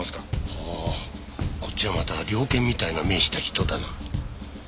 おおこっちはまた猟犬みたいな目した人だな。